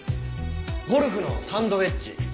ゴルフのサンドウェッジ。